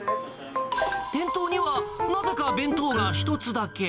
店頭にはなぜか弁当が１つだ